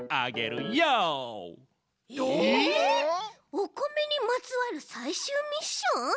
お米にまつわるさいしゅうミッション！？